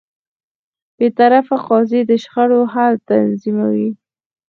بېطرفه قاضی د شخړو حل تضمینوي.